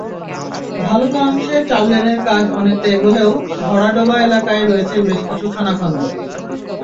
ভালুকা অংশে চার লেনের কাজ অনেকটা এগোলেও ভরাডোবা এলাকায় রয়েছে বেশ কিছু খানাখন্দ।